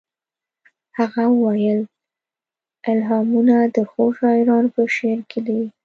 هغه وویل الهامونه د ښو شاعرانو په شعرونو کې دي